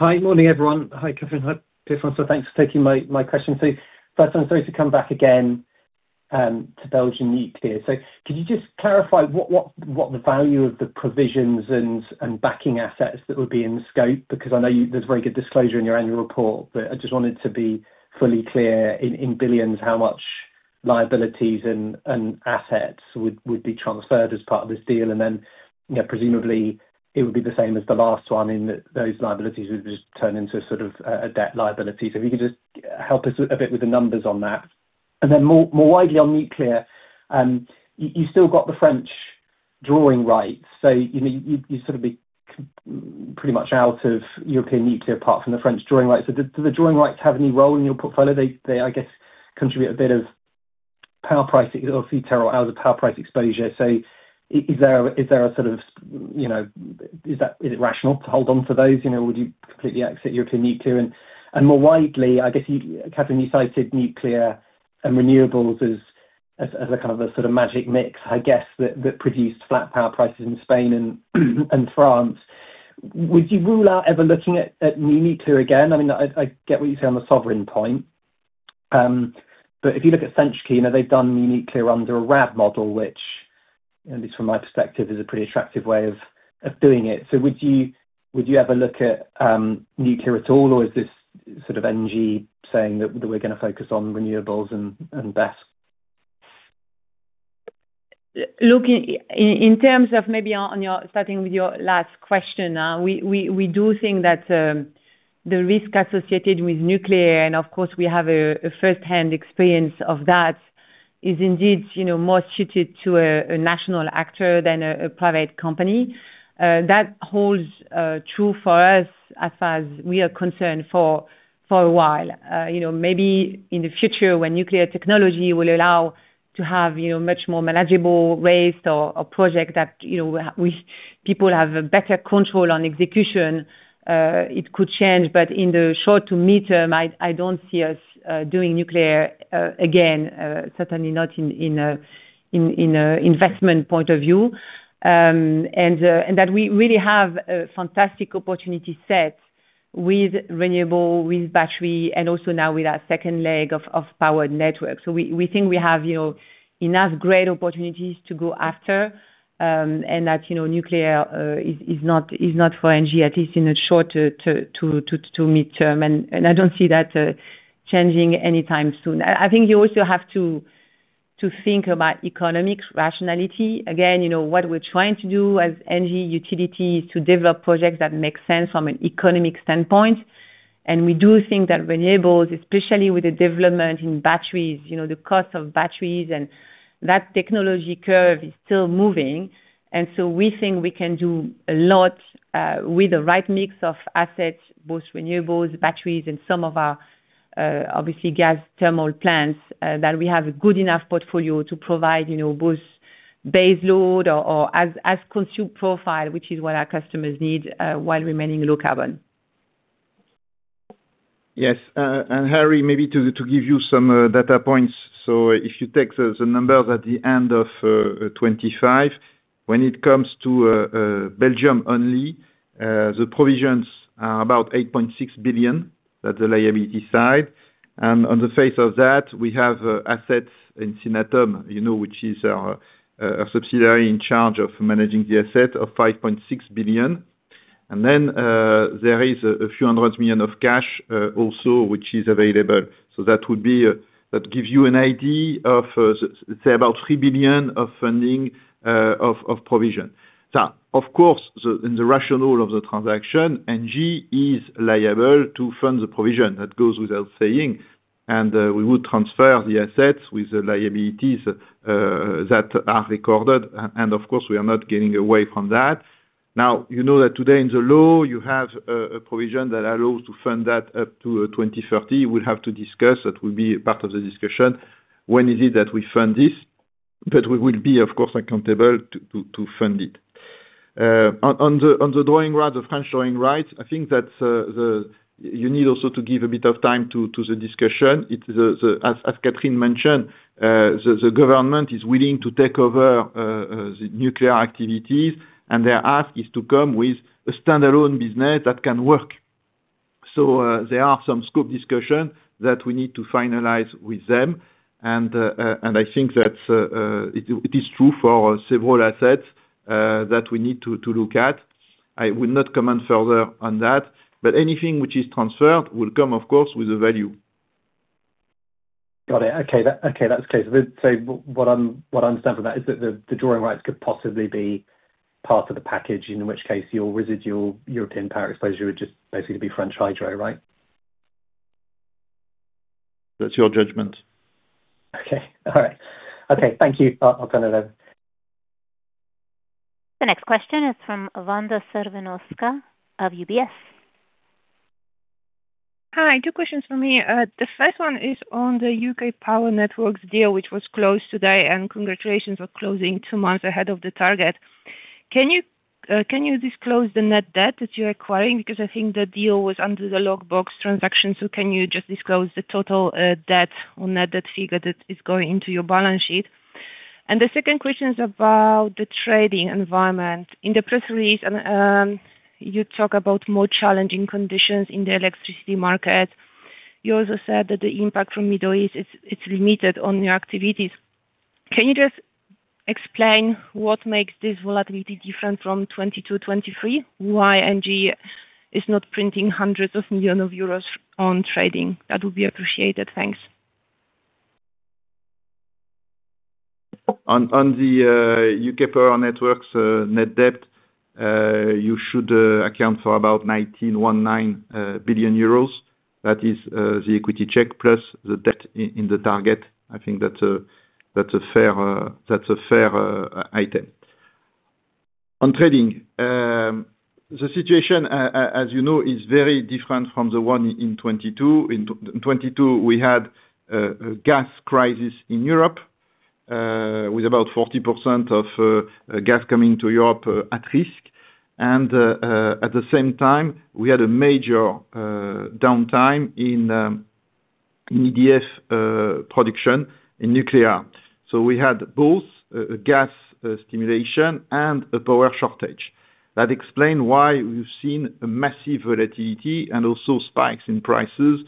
Hi. Morning, everyone. Hi, Catherine. Hi, Pierre-François. Thanks for taking my question. First, I'm sorry to come back again to Belgian nuclear. Could you just clarify what the value of the provisions and backing assets that would be in scope? Because I know there's very good disclosure in your annual report, but I just wanted to be fully clear in billions how much liabilities and assets would be transferred as part of this deal. Then, you know, presumably it would be the same as the last one, in that those liabilities would just turn into sort of a debt liability. If you could just help us a bit with the numbers on that. Then more widely on nuclear, you still got the French drawing rights. You know, you sort of be pretty much out of European nuclear, apart from the French drawing rights. Do the drawing rights have any role in your portfolio? They, I guess, contribute a bit of power price, or CTER, as a power price exposure. Is there a sort of, you know, is it rational to hold on to those? You know, would you completely exit European nuclear? More widely, I guess you, Catherine, you cited nuclear and renewables as a kind of a sort of magic mix, I guess, that produced flat power prices in Spain and France. Would you rule out ever looking at new nuclear again? I mean, I get what you're saying on the sovereign point. If you look at Senchkin, they've done new nuclear under a RAB model, which at least from my perspective, is a pretty attractive way of doing it. Would you ever look at nuclear at all, or is this sort of ENGIE saying that we're gonna focus on renewables and BESS? Look, in terms of maybe on your starting with your last question, we do think that the risk associated with nuclear, and of course we have a first hand experience of that, is indeed, you know, more suited to a national actor than a private company. That holds true for us as far as we are concerned for a while. You know, maybe in the future when nuclear technology will allow to have, you know, much more manageable waste or project that, you know, we people have a better control on execution, it could change. In the short to midterm, I don't see us doing nuclear again, certainly not in a investment point of view. That we really have a fantastic opportunity set with renewables, with batteries, and also now with our second leg of power network. We think we have, you know, enough great opportunities to go after, and that, you know, nuclear is not, is not for ENGIE, at least in the short to midterm. I don't see that changing anytime soon. I think you also have to think about economic rationality. Again, you know, what we're trying to do as ENGIE utility is to develop projects that make sense from an economic standpoint. We do think that renewables, especially with the development in batteries, you know, the cost of batteries and that technology curve is still moving. We think we can do a lot with the right mix of assets, both renewables, batteries, and some of our obviously gas thermal plants that we have a good enough portfolio to provide, you know, both base load or as consumed profile, which is what our customers need, while remaining low carbon. Yes. Harry, maybe to give you some data points. If you take the numbers at the end of 2025, when it comes to Belgium only, the provisions are about 8.6 billion, at the liability side. On the face of that, we have assets in Synatom, you know, which is our a subsidiary in charge of managing the asset of 5.6 billion. Then there is a few hundred million of cash also which is available. That would be that gives you an idea of say about 3 billion of funding of provision. Now, of course, the in the rationale of the transaction, ENGIE is liable to fund the provision. That goes without saying. We would transfer the assets with the liabilities that are recorded, and of course we are not getting away from that. You know that today in the law you have a provision that allows to fund that up to 2030. We'll have to discuss, that will be part of the discussion, when is it that we fund this. We will be, of course, accountable to fund it. On the drawing rights of French drawing rights, I think that you need also to give a bit of time to the discussion. As Catherine mentioned, the government is willing to take over the nuclear activities, and their ask is to come with a standalone business that can work. There are some scope discussion that we need to finalize with them, and I think that it is true for several assets that we need to look at. I will not comment further on that. Anything which is transferred will come of course with a value. Got it. Okay. That's clear. What I understand from that is that the drawing rights could possibly be part of the package, in which case your residual European power exposure would just basically be French hydro, right? That's your judgment. Okay. All right. Okay, thank you. I'll turn it over. The next question is from Wanda Serwinowska of UBS. Hi. Two questions from me. The first one is on the UK Power Networks deal, which was closed today, and congratulations for closing two months ahead of the target. Can you disclose the net debt that you're acquiring? Because I think the deal was under the lock box transaction, so can you just disclose the total debt or net debt figure that is going into your balance sheet? The second question is about the trading environment. In the press release, you talk about more challenging conditions in the electricity market. You also said that the impact from Middle East, it's limited on your activities. Can you just explain what makes this volatility different from 2020 to 2023? Why ENGIE is not printing hundreds of millions of euros on trading? That would be appreciated. Thanks. On the UK Power Networks net debt, you should account for about 19 billion euros. That is the equity check plus the debt in the target. I think that's a fair item. On trading, the situation, as you know, is very different from the one in 2022. In 2022 we had a gas crisis in Europe, with about 40% of gas coming to Europe at risk. At the same time, we had a major downtime in EDF production in nuclear. We had both a gas stimulation and a power shortage. That explained why we've seen a massive volatility and also spikes in prices,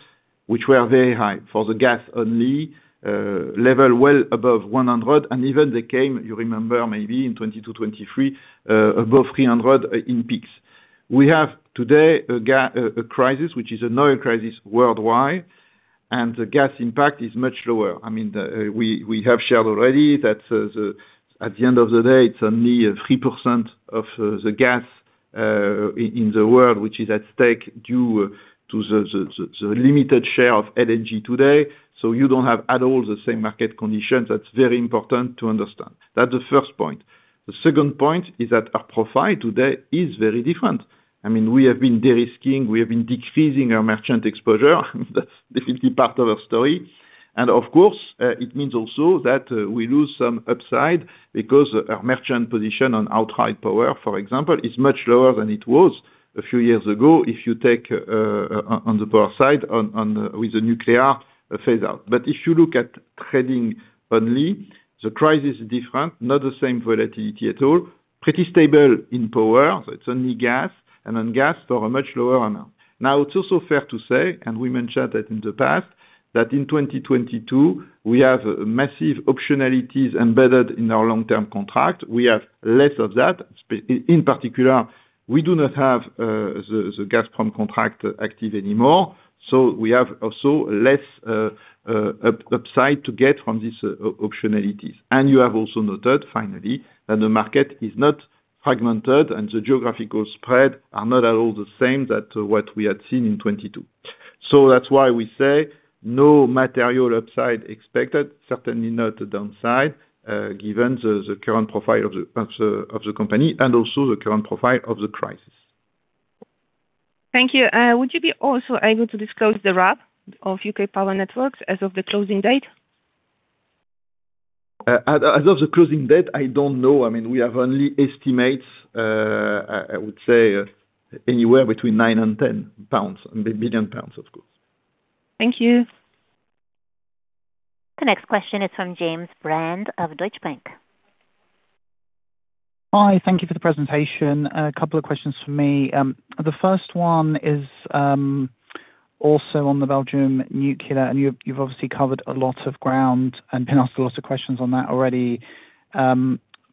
which were very high for the gas only, level well above 100, and even they came, you remember maybe in 2020 to 2023, above 300 in peaks. We have today a crisis which is an oil crisis worldwide, the gas impact is much lower. I mean, we have shared already that, at the end of the day, it's only a 3% of the gas in the world which is at stake due to the limited share of LNG today. You don't have at all the same market conditions. That's very important to understand. That's the first point. The second point is that our profile today is very different. I mean, we have been de-risking, we have been decreasing our merchant exposure. That's definitely part of our story. Of course, it means also that we lose some upside because our merchant position on outright power, for example, is much lower than it was a few years ago. If you take on the power side on the with the nuclear phase out. If you look at trading only, the price is different, not the same volatility at all. Pretty stable in power, it's only gas. On gas for a much lower amount. Now, it's also fair to say, and we mentioned that in the past, that in 2022 we have massive optionalities embedded in our long-term contract. We have less of that. In particular, we do not have the Gazprom contract active anymore, so we have also less upside to get from this optionalities. You have also noted finally that the market is not fragmented and the geographical spread are not at all the same that what we had seen in 2022. That's why we say no material upside expected, certainly not a downside, given the current profile of the company and also the current profile of the crisis. Thank you. Would you be also able to disclose the RAB of UK Power Networks as of the closing date? As of the closing date, I don't know. I mean, we have only estimates, I would say anywhere between 9 billion and 10 billion pounds. The 1 billion pounds, of course. Thank you. The next question is from James Brand of Deutsche Bank. Hi. Thank you for the presentation. A couple of questions from me. The first one is, also on the Belgium nuclear. You've obviously covered a lot of ground and been asked a lot of questions on that already. I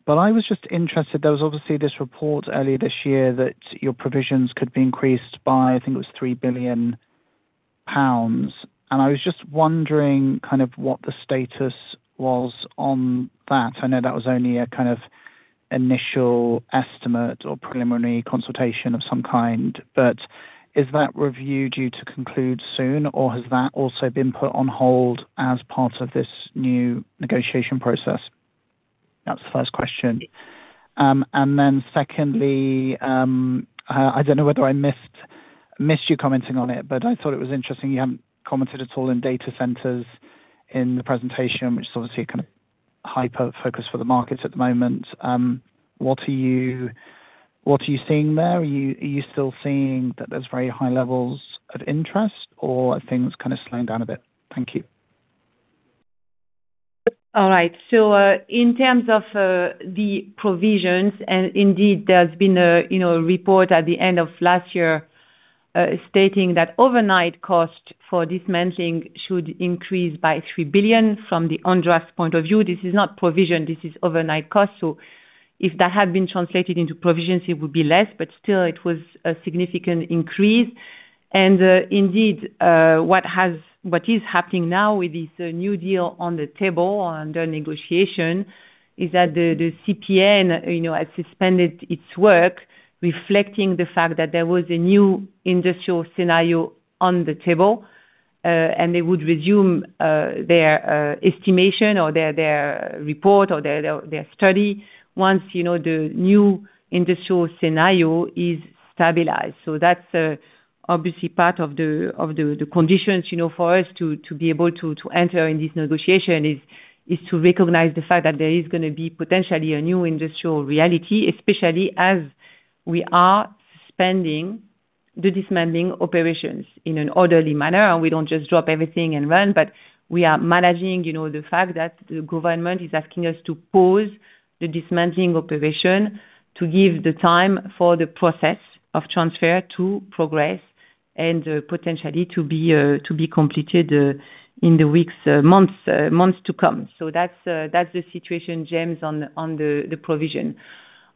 was just interested, there was obviously this report earlier this year that your provisions could be increased by, I think it was 3 billion pounds. I was just wondering kind of what the status was on that. I know that was only a kind of initial estimate or preliminary consultation of some kind, but is that review due to conclude soon, or has that also been put on hold as part of this new negotiation process? That's the first question. Secondly, I don't know whether I missed you commenting on it, but I thought it was interesting you haven't commented at all in data centers in the presentation, which is obviously a kind of hyper-focus for the markets at the moment. What are you seeing there? Are you still seeing that there's very high levels of interest or are things kind of slowing down a bit? Thank you. All right. In terms of the provisions, indeed there's been a, you know, a report at the end of last year, stating that overnight cost for dismantling should increase by 3 billion from the ONDRAF's point of view. This is not provision, this is overnight cost. If that had been translated into provisions, it would be less, but still it was a significant increase. Indeed, what is happening now with this new deal on the table under negotiation is that the CPN, you know, has suspended its work, reflecting the fact that there was a new industrial scenario on the table. They would resume their estimation or their report or their study once, you know, the new industrial scenario is stabilized. That's obviously part of the conditions, you know, for us to be able to enter in this negotiation is to recognize the fact that there is gonna be potentially a new industrial reality, especially as we are suspending the dismantling operations in an orderly manner. We don't just drop everything and run, but we are managing, you know, the fact that the government is asking us to pause the dismantling operation to give the time for the process of transfer to progress and potentially to be completed in the weeks, months to come. That's the situation, James, on the provision.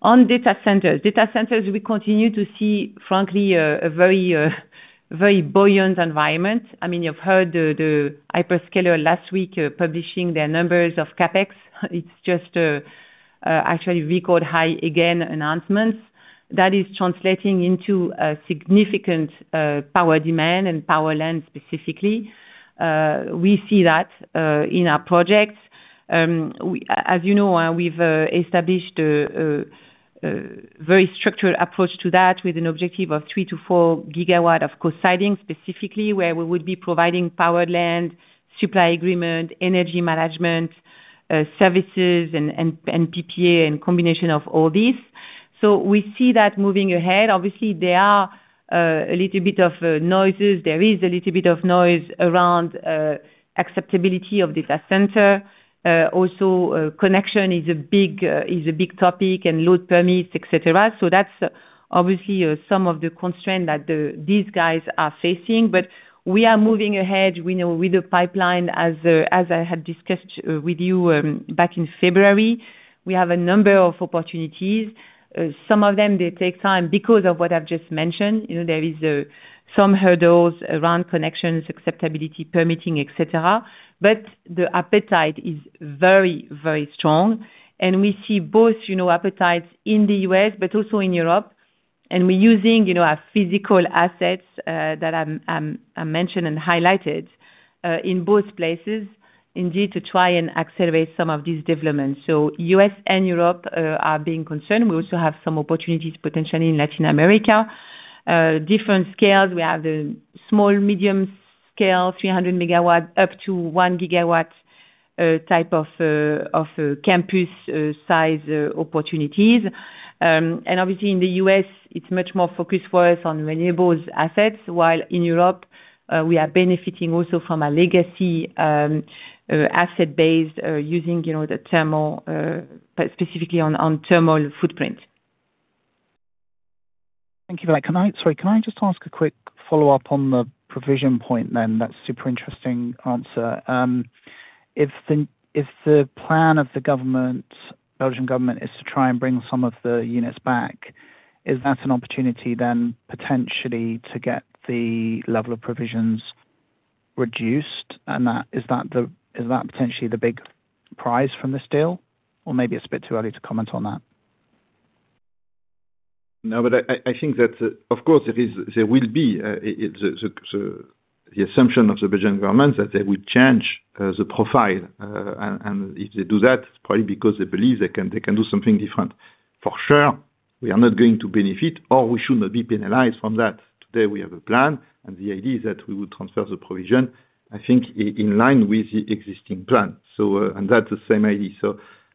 On data centers. Data centers we continue to see, frankly, a very buoyant environment. I mean, you've heard the hyperscaler last week, publishing their numbers of CapEx. It's just, actually record high again announcements. That is translating into a significant power demand and power and land specifically. We see that in our projects. As you know, we've established a very structured approach to that with an objective of 3 GW-4 GW of co-siting specifically, where we would be providing power and land, supply agreement, energy management, services and PPA and combination of all these. We see that moving ahead. Obviously, there are a little bit of noises. There is a little bit of noise around acceptability of data center. Also, connection is a big topic and load permits, et cetera. That's obviously some of the constraints that these guys are facing. We are moving ahead. We know with the pipeline as I had discussed with you back in February, we have a number of opportunities. Some of them they take time because of what I've just mentioned. You know, there is some hurdles around connections, acceptability, permitting, et cetera. The appetite is very, very strong. We see both, you know, appetites in the U.S., but also in Europe. We're using, you know, our physical assets that I mentioned and highlighted in both places indeed to try and accelerate some of these developments. U.S. and Europe are being concerned. We also have some opportunities potentially in Latin America. Different scales. We have the small medium scale, 300 MW up to 1 GW type of campus size opportunities. Obviously in the U.S. it's much more focused for us on renewables assets, while in Europe, we are benefiting also from a legacy asset base, using, you know, the thermal, specifically on thermal footprint. Thank you for that. Sorry, can I just ask a quick follow-up on the provision point then? That's super interesting answer. If the plan of the government, Belgian government, is to try and bring some of the units back, is that an opportunity then potentially to get the level of provisions reduced? That, is that potentially the big prize from this deal? Maybe it's a bit too early to comment on that. I think that of course there is, there will be, the assumption of the Belgian government that they would change the profile. If they do that, it's probably because they believe they can, they can do something different. For sure, we are not going to benefit or we should not be penalized from that. Today, we have a plan, and the idea is that we will transfer the provision, I think in line with the existing plan. That's the same idea.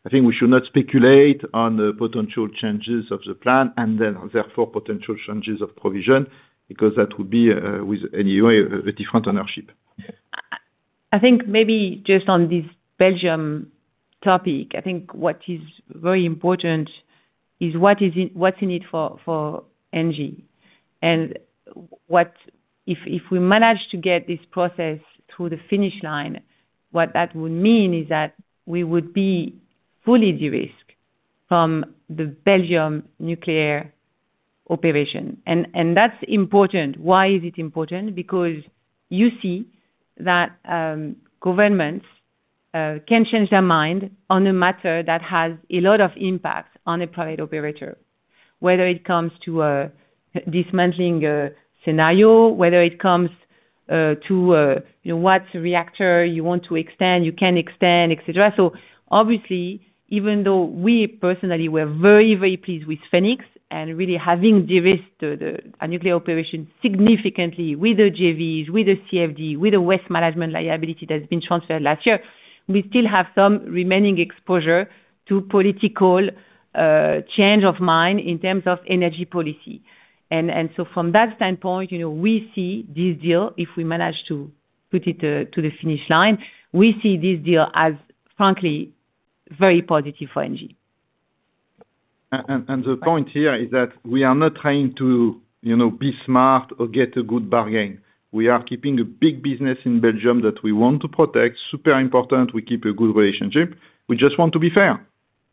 I think we should not speculate on the potential changes of the plan and then therefore potential changes of provision, because that would be with anyway a different ownership. I think maybe just on this Belgium topic, I think what is very important is what's in it for ENGIE. What if we manage to get this process through the finish line, what that would mean is that we would be fully de-risk from the Belgium nuclear operation. That's important. Why is it important? Because you see that governments can change their mind on a matter that has a lot of impact on a private operator. Whether it comes to a dismantling scenario, whether it comes to, you know, what reactor you want to extend, you can extend, et cetera. Obviously, even though we personally were very, very pleased with Fenix and really having de-risked our nuclear operation significantly with the JVs, with the CFD, with the waste management liability that's been transferred last year, we still have some remaining exposure to political change of mind in terms of energy policy. From that standpoint, you know, we see this deal, if we manage to put it to the finish line, we see this deal as frankly very positive for ENGIE. The point here is that we are not trying to, you know, be smart or get a good bargain. We are keeping a big business in Belgium that we want to protect. Super important we keep a good relationship. We just want to be fair.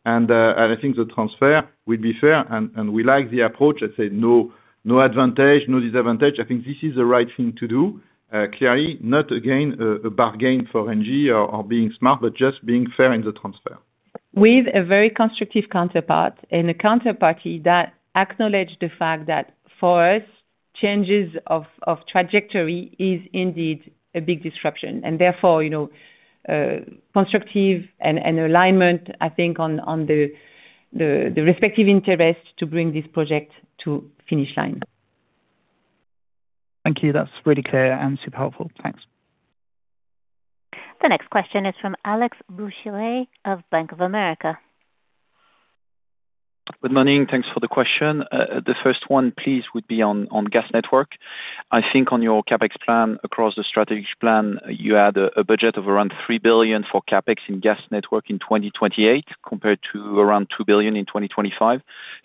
I think the transfer will be fair and we like the approach. I say no advantage, no disadvantage. I think this is the right thing to do. Clearly not, again, a bargain for ENGIE or being smart, but just being fair in the transfer. With a very constructive counterpart and a counterparty that acknowledge the fact that for us, changes of trajectory is indeed a big disruption and therefore, you know, constructive and alignment, I think on the respective interest to bring this project to finish line. Thank you. That's really clear and super helpful. Thanks. The next question is from Alex Bourchier of Bank of America. Good morning. Thanks for the question. The first one please, would be on gas network. I think on your CapEx plan across the strategic plan, you had a budget of around 3 billion for CapEx in gas network in 2028 compared to around 2 billion in 2025.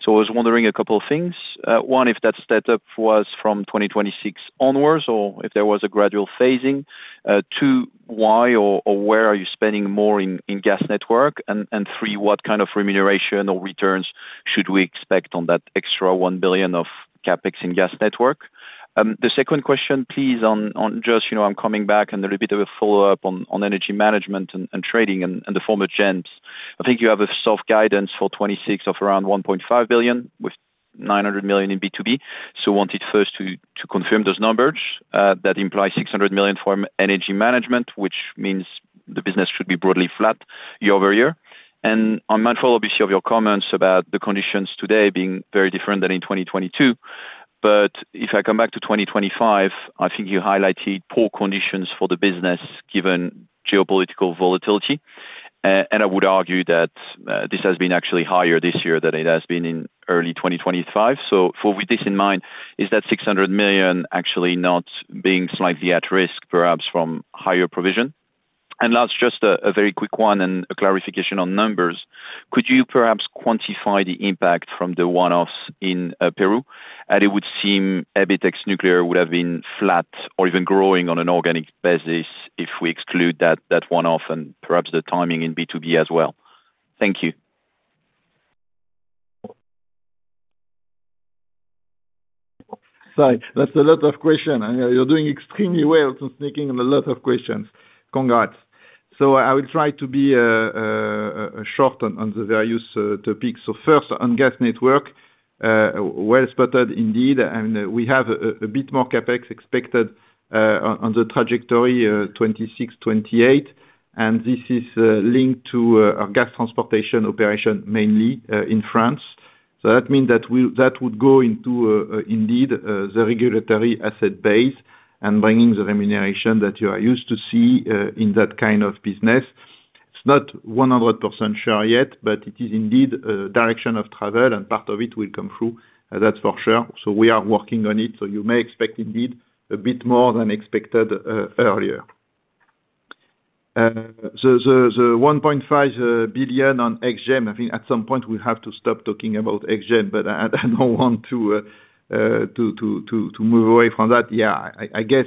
I was wondering a couple of things. One, if that setup was from 2026 onwards or if there was a gradual phasing. Two, why or where are you spending more in gas network? Three, what kind of remuneration or returns should we expect on that extra 1 billion of CapEx in gas network? The second question please on just, you know, I'm coming back and a little bit of a follow-up on energy management and trading and the former GEMS. I think you have a soft guidance for 2026 of around 1.5 billion with 900 million in B2B. Wanted first to confirm those numbers. That implies 600 million from energy management, which means the business should be broadly flat year-over-year. I'm mindful obviously of your comments about the conditions today being very different than in 2022. If I come back to 2025, I think you highlighted poor conditions for the business given geopolitical volatility. I would argue that this has been actually higher this year than it has been in early 2025. For with this in mind, is that 600 million actually not being slightly at risk perhaps from higher provision? Last just a very quick one and a clarification on numbers. Could you perhaps quantify the impact from the one-offs in Peru? It would seem EBITDA nuclear would have been flat or even growing on an organic basis if we exclude that one-off and perhaps the timing in B2B as well. Thank you. Sorry, that's a lot of question. I know you're doing extremely well to sneaking in a lot of questions. Congrats. I will try to be short on the various topics. First, on gas network, well spotted indeed, and we have a bit more CapEx expected on the trajectory 2026-2028, and this is linked to our gas transportation operation mainly in France. That means that would go into indeed the regulatory asset base and bringing the remuneration that you are used to see in that kind of business. It's not 100% sure yet, but it is indeed a direction of travel, and part of it will come through, that's for sure. We are working on it. You may expect indeed a bit more than expected earlier. The 1.5 billion on ex-GEM, I think at some point we have to stop talking about ex-GEM, but I don't want to move away from that. I guess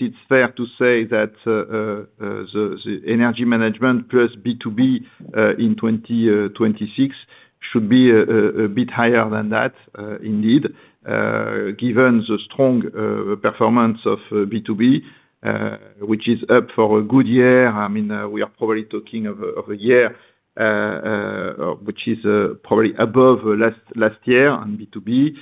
it's fair to say that the energy management plus B2B in 2026 should be a bit higher than that indeed, given the strong performance of B2B, which is up for a good year. I mean, we are probably talking of a year which is probably above last year on B2B.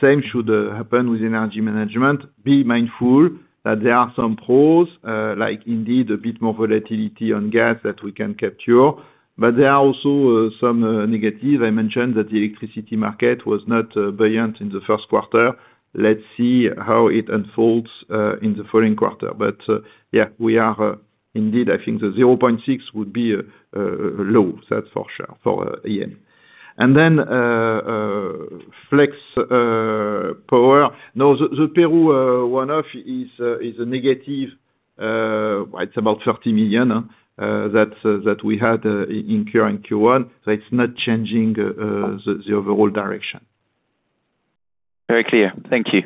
Same should happen with energy management. Be mindful that there are some pause, like indeed a bit more volatility on gas that we can capture. There are also some negative. I mentioned that the electricity market was not buoyant in the first quarter. Let's see how it unfolds in the following quarter. Yeah, we are indeed-- I think the 0.6 would be low, that's for sure, for EM. Flex Power. No, the Peru one-off is a negative. It's about 30 million that we had in current Q1, so it's not changing the overall direction. Very clear. Thank you.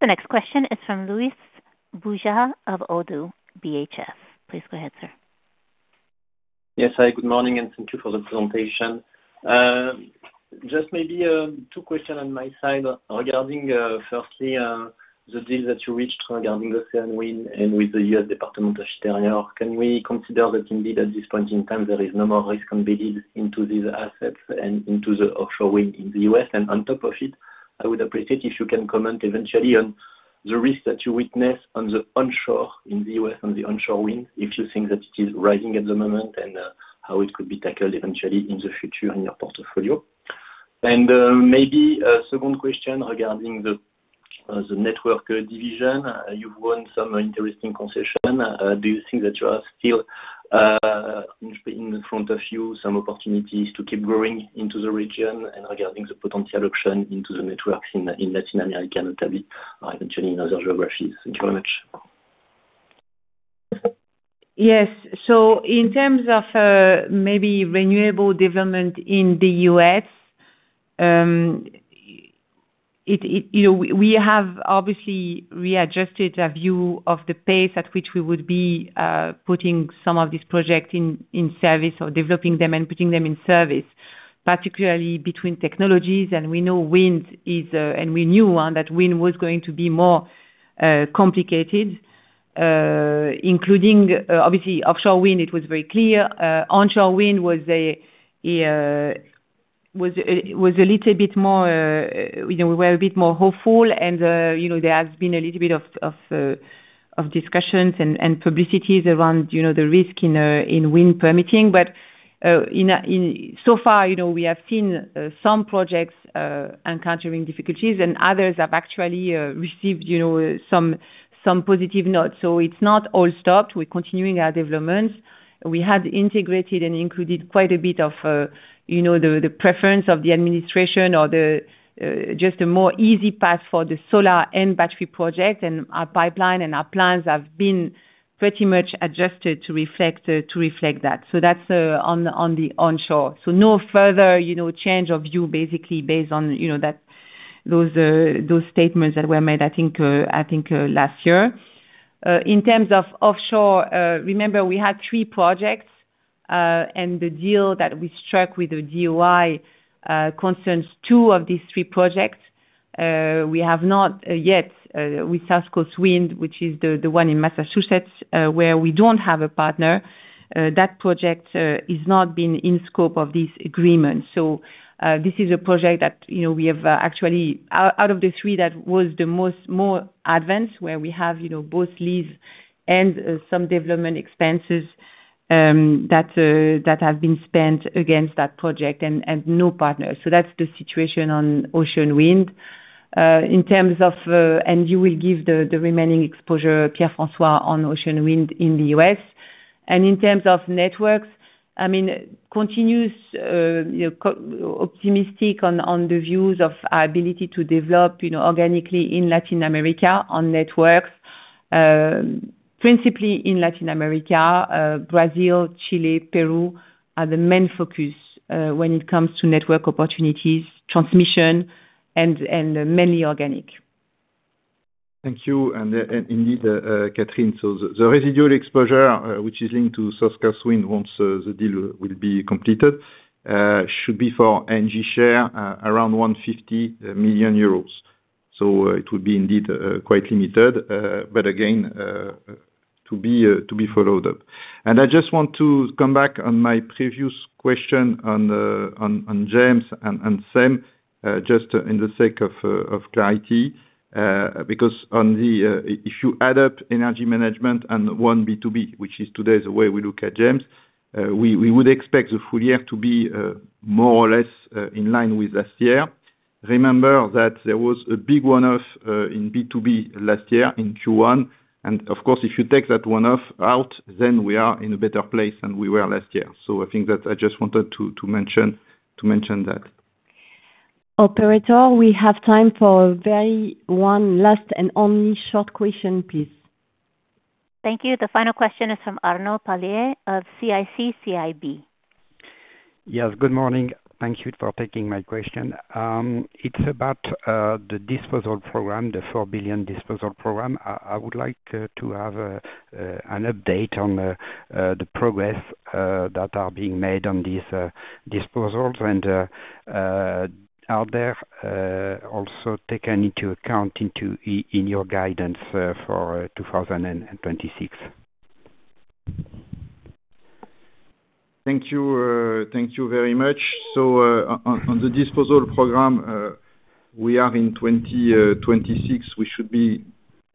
The next question is from Louis Boujard of ODDO BHF. Please go ahead, sir. Yes. Hi, good morning, and thank you for the presentation. Just maybe two question on my side regarding firstly the deal that you reached regarding the Ocean Wind and with the U.S. Department of the Interior. Can we consider that indeed, at this point in time, there is no more risk embedded into these assets and into the offshore wind in the U.S.? On top of it, I would appreciate if you can comment eventually on the risk that you witness on the onshore in the U.S., on the onshore wind, if you think that it is rising at the moment, and how it could be tackled eventually in the future in your portfolio. Maybe a second question regarding the network division. You've won some interesting concession. Do you think that you are still in front of you some opportunities to keep growing into the region and regarding the potential option into the networks in Latin America and maybe eventually in other geographies? Thank you very much. Yes. So in terms of maybe renewable development in the U.S., you know, we have obviously readjusted a view of the pace at which we would be putting some of these projects in service or developing them and putting them in service, particularly between technologies. We know wind is, and we knew one, that wind was going to be more complicated, including obviously offshore wind, it was very clear. Onshore wind was a little bit more, you know, we were a bit more hopeful and, you know, there has been a little bit of discussions and publicity around, you know, the risk in wind permitting. So far, you know, we have seen some projects encountering difficulties and others have actually received, you know, some positive notes. It's not all stopped. We're continuing our developments. We have integrated and included quite a bit of, you know, the preference of the administration or the just a more easy path for the solar and battery project. Our pipeline and our plans have been pretty much adjusted to reflect to reflect that. That's on the onshore. No further, you know, change of view basically based on, you know, that those statements that were made, I think, I think last year. In terms of offshore, remember we had three projects, and the deal that we struck with the DOI concerns two of these three projects. We have not yet with SouthCoast Wind, which is the one in Massachusetts, where we don't have a partner. That project is not been in scope of this agreement. This is a project that, you know, we have actually out of the three, that was the most, more advanced, where we have, you know, both lease and some development expenses that have been spent against that project and no partners. That's the situation on Ocean Wind. In terms of. You will give the remaining exposure, Pierre-François, on Ocean Wind in the U.S. In terms of networks, I mean, continues, you know, optimistic on the views of our ability to develop, you know, organically in Latin America on networks. Principally in Latin America, Brazil, Chile, Peru are the main focus when it comes to network opportunities, transmission and mainly organic. Thank you. Indeed, Catherine, the residual exposure, which is linked to SouthCoast Wind once the deal will be completed, should be for ENGIE share around 150 million euros. It would be indeed quite limited. Again, to be followed up. I just want to come back on my previous question on James and Sam, just in the sake of clarity. Because on the, if you add up energy management and 1 B2B, which is today the way we look at James, we would expect the full year to be more or less in line with last year. Remember that there was a big one-off in B2B last year in Q1. Of course, if you take that one-off out, then we are in a better place than we were last year. I think that I just wanted to mention that. Operator, we have time for very one last and only short question, please. Thank you. The final question is from Arnaud Palliez of CIC CIB. Yes, good morning. Thank you for taking my question. It's about the disposal program, the 4 billion disposal program. I would like to have an update on the progress that are being made on these disposals and are there also taken into account in your guidance for 2026. Thank you. Thank you very much. On the disposal program, we are in 2026. We should be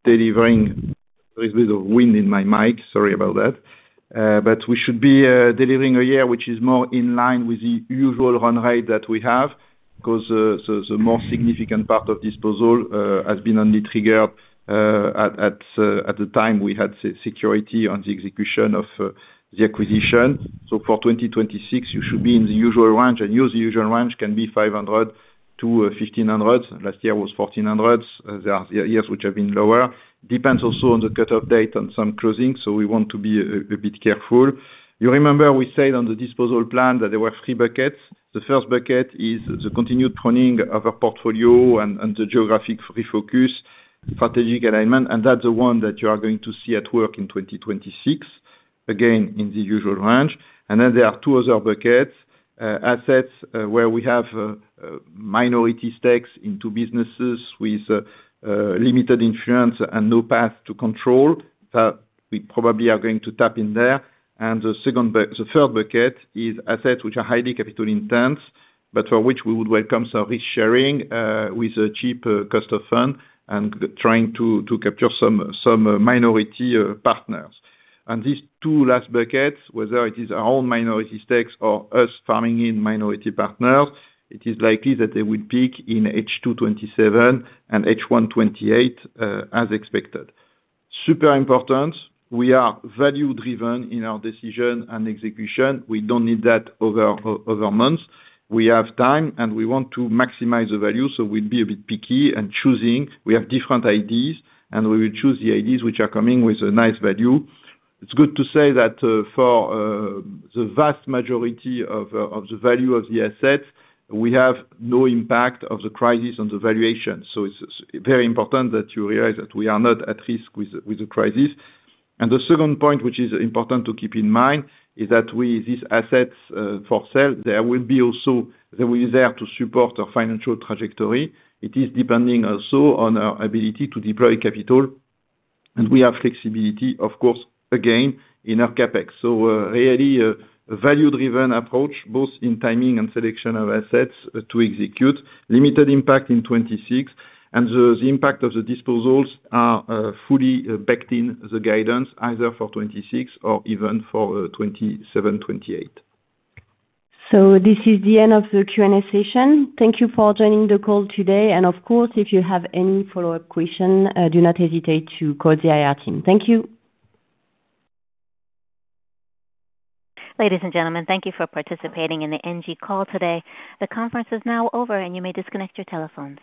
delivering. There's a bit of wind in my mic. Sorry about that. We should be delivering a year which is more in line with the usual run rate that we have because the more significant part of disposal has been only triggered at the time we had security on the execution of the acquisition. For 2026, you should be in the usual range. Usual range can be 500-1,500. Last year was 1,400. There are years which have been lower. Depends also on the cut-off date on some closing. We want to be a bit careful. You remember we said on the disposal plan that there were three buckets. The first bucket is the continued pruning of our portfolio and the geographic refocus, strategic alignment, and that's the one that you are going to see at work in 2026, again, in the usual range. Then there are two other buckets, assets, where we have minority stakes into businesses with limited insurance and no path to control, that we probably are going to tap in there. The third bucket is assets which are highly capital-intense, but for which we would welcome some risk sharing with a cheaper cost of fund and trying to capture some minority partners. These two last buckets, whether it is our own minority stakes or us farming in minority partners, it is likely that they will peak in H2 2027 and H1 2028 as expected. Super important, we are value driven in our decision and execution. We don't need that over months. We have time, and we want to maximize the value, so we'll be a bit picky in choosing. We have different ideas, and we will choose the ideas which are coming with a nice value. It's good to say that for the vast majority of the value of the assets, we have no impact of the crisis on the valuation. It's very important that you realize that we are not at risk with the crisis. The second point which is important to keep in mind is that with these assets for sale, We are there to support our financial trajectory. It is depending also on our ability to deploy capital. We have flexibility, of course, again, in our CapEx. Really a value driven approach, both in timing and selection of assets to execute. Limited impact in 2026, the impact of the disposals are fully backed in the guidance either for 2026 or even for 2027, 2028. This is the end of the Q&A session. Thank you for joining the call today. Of course, if you have any follow-up question, do not hesitate to call the IR team. Thank you. Ladies and gentlemen, thank you for participating in the ENGIE call today. The conference is now over, and you may disconnect your telephones.